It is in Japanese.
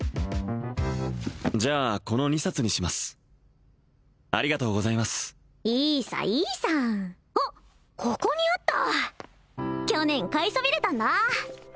じゃあこの２冊にしますありがとうございますいいさいいさあっここにあった去年買いそびれたんだ